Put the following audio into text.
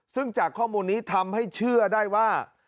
ซึ่งจากข้อมูลนี้ทำให้เชื่อได้ว่า